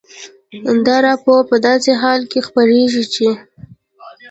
دا راپور په داسې حال کې خپرېږي چې